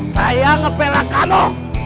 saya ngepelah kamu